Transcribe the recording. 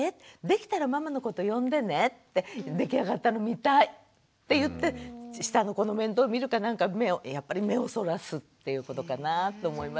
できたらママのことよんでね」って「出来上がったの見たい」って言って下の子の面倒見るかなんかやっぱり目をそらすっていうことかなぁと思いましたけどね。